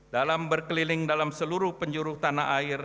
dalam berkeliling dalam seluruh penjuru tanah air